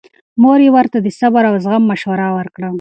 مور یې ورته د صبر او زغم مشوره ورکړه.